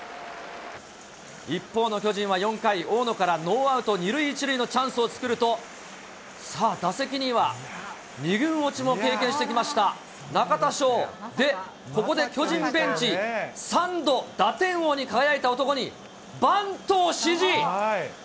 一方の巨人は４回、大野からノーアウト２塁１塁のチャンスを作ると、さあ、打席には２軍落ちも経験してきました、中田翔、で、ここで巨人ベンチ、３度、打点王に輝いた男に、バントを指示。